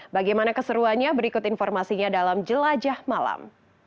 bagaimana keseruannya berikut informasinya dalam jelajah malam